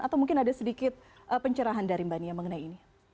atau mungkin ada sedikit pencerahan dari mbak nia mengenai ini